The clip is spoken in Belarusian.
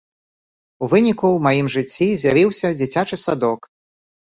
У выніку ў маім жыцці з'явіўся дзіцячы садок.